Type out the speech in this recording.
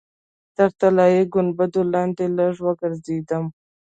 تر طلایي ګنبدې لاندې لږ وګرځېدم.